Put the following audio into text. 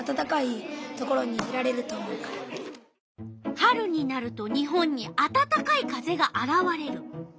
春になると日本にあたたかい風があらわれる。